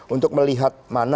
untuk melihat mana